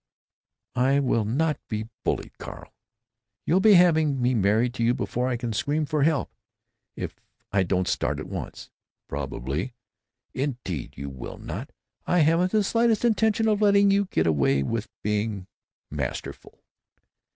"I will not be bullied, Carl! You'll be having me married to you before I can scream for help, if I don't start at once." "Probably." "Indeed you will not! I haven't the slightest intention of letting you get away with being masterful."